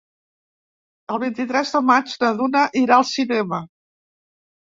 El vint-i-tres de maig na Duna irà al cinema.